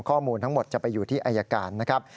ข้อมูลทั้งหมดจะไปอยู่ที่อายการนะครับ